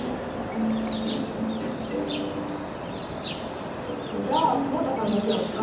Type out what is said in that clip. じゃあ久保田さんの意見を聞かせてください。